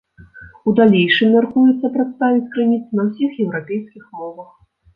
У далейшым мяркуецца прадставіць крыніцы на ўсіх еўрапейскіх мовах.